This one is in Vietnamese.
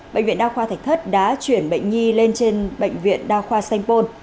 bệnh viện đa khoa thạch thất đã chuyển bệnh nhi lên trên bệnh viện đa khoa st paul